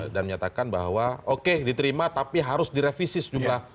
dan menyatakan bahwa oke diterima tapi harus direvisis juga